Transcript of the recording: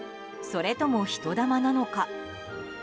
それとも人魂なのか？